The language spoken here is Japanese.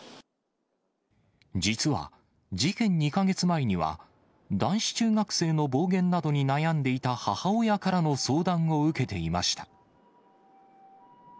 実は、事件２か月前には、男子中学生の暴言などに悩んでいた母親からの相談を受けていました。